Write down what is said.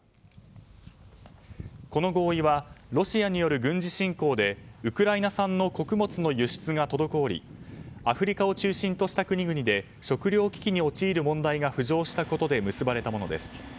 この合意はロシアによる軍事侵攻でウクライナ産の穀物の輸出が滞りアフリカを中心とした国々で食糧危機に陥る問題が浮上したことで結ばれたものです。